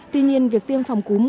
tuy nhiên việc tiêm phòng cúm